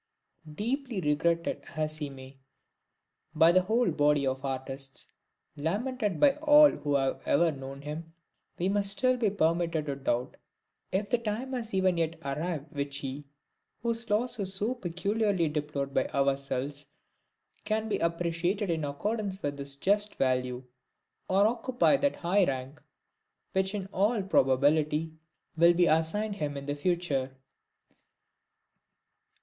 Deeply regretted as he may be by the whole body of artists, lamented by all who have ever known him, we must still be permitted to doubt if the time has even yet arrived in which he, whose loss is so peculiarly deplored by ourselves, can be appreciated in accordance with his just value, or occupy that high rank which in all probability will be assigned him in the future.